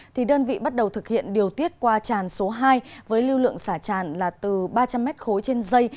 thì đơn vị bắt đầu thực hiện điều tiết qua tràn số hai với lưu lượng xả tràn là từ ba trăm linh m khối trên dây